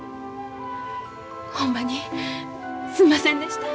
ほんまにすんませんでした。